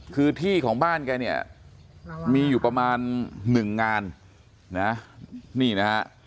คือที่ของบ้านเนี่ยมีอยู่ประมาณ๑งาน